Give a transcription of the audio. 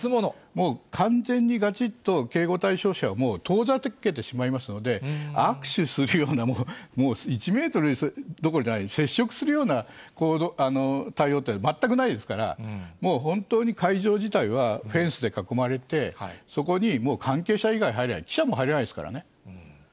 完全にがちっと警護対象者を遠ざけてしまいますので、握手するような、もう１メートルどころじゃない、接触するような対応って全くないですから、もう本当に会場自体は、フェンスで囲まれて、そこにもう関係者以外入れない、記者も入れないですからね。